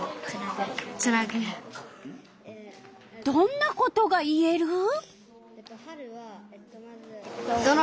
どんなことが言える？